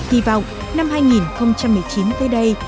hy vọng năm hai nghìn một mươi chín tới đây